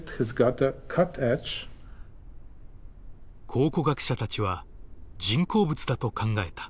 考古学者たちは人工物だと考えた。